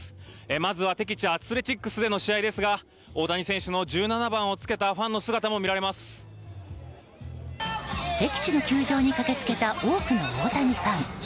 まずは敵地アスレチックスでの試合ですが大谷選手の１７番をつけた敵地の球場に駆け付けた多くの大谷ファン。